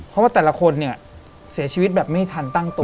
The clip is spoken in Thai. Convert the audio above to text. เพราะว่าแต่ละคนเนี่ยเสียชีวิตแบบไม่ทันตั้งตัว